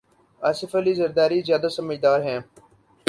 آصف علی زرداری زیادہ سمجھدار ہیں۔